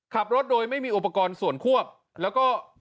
ขับรถโดยไม่มีอุปกรณ์ส่วนควบแล้วก็